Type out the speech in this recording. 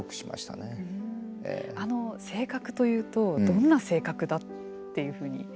性格というとどんな性格だっていうふうに。